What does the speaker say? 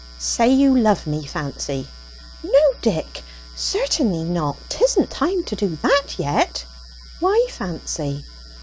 "Say you love me, Fancy." "No, Dick, certainly not; 'tisn't time to do that yet." "Why, Fancy?"